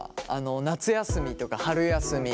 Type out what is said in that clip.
夏休みとか春休み。